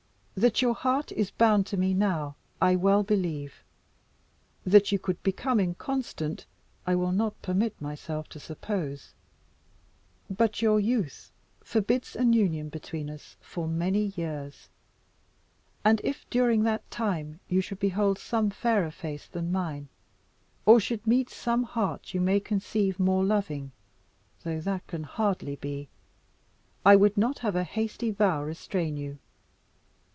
That your heart is bound to me now, I well believe and that you could become inconstant I will not permit myself to suppose. But your youth forbids an union between us for many years; and if during that time you should behold some fairer face than mine, or should meet some heart you may conceive more loving though that can hardly be I would not have a hasty vow restrain you.